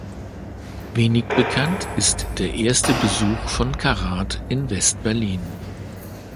Wenig bekannt ist der erste Besuch von Karat in West-Berlin.